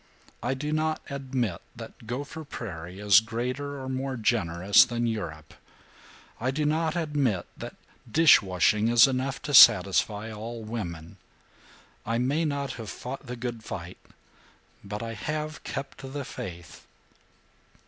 I do not admit that Gopher Prairie is greater or more generous than Europe! I do not admit that dish washing is enough to satisfy all women! I may not have fought the good fight, but I have kept the faith."